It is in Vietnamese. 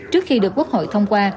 trước khi được quốc hội thông qua